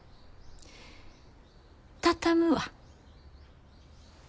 畳むわ。